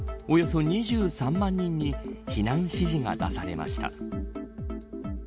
およそ２３万人に避難指示が出されました。